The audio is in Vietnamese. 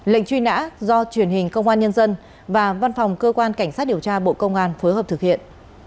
lệnh truy nã do truyền hình công an nhân dân và văn phòng cơ quan cảnh sát điều tra bộ công an phối hợp thực hiện